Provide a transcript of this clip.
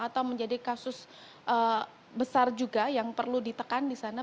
atau menjadi kasus besar juga yang perlu ditekan disana